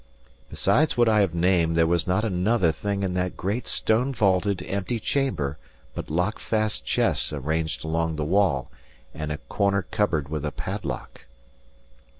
Besides what I have named, there was not another thing in that great, stone vaulted, empty chamber but lockfast chests arranged along the wall and a corner cupboard with a padlock.